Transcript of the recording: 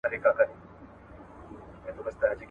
د رحم سرطان سکرینینګ د ژوند ژغورلو اعتبار لري.